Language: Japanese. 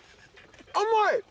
甘い！